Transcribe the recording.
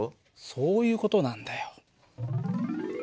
そういう事なんだよ。